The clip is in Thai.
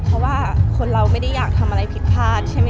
เพราะว่าคนเราไม่ได้อยากทำอะไรผิดพลาดใช่ไหมค